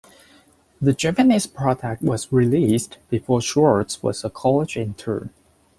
The Japanese product was released before Schwartz was a college intern.